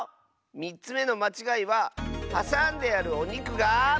３つめのまちがいははさんであるおにくが。